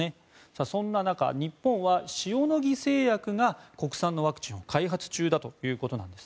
そんな中、日本は塩野義製薬が国産のワクチンを開発中だということです。